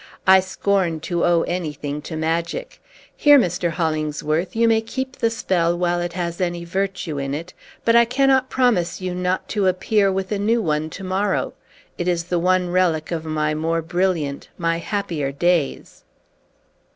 "I scorn to owe anything to magic. Here, Mr. Hollingsworth, you may keep the spell while it has any virtue in it; but I cannot promise you not to appear with a new one to morrow. It is the one relic of my more brilliant, my happier days!"